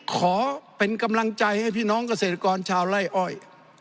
ขอเป็นกำลังใจให้พี่น้องเกษตรกรชาวไล่อ้อย